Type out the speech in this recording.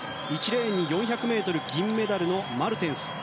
１レーンに４００ｍ銀メダルのマルテンス。